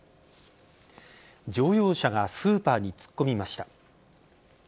乗用車がスーパーに突っ込みました。